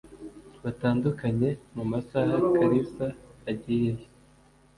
batandukanye mu masaha kalisa agiyeyo